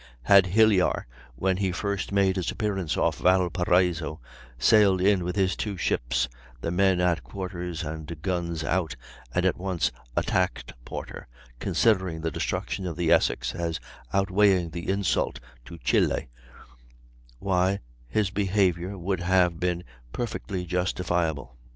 Had Hilyar, when he first made his appearance off Valparaiso, sailed in with his two ships, the men at quarters and guns out, and at once attacked Porter, considering the destruction of the Essex as outweighing the insult to Chili, why his behavior would have been perfectly justifiable.